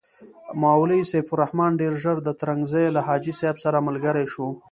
مولوي سیف الرحمن ډېر ژر د ترنګزیو له حاجي صاحب سره ملګری شو.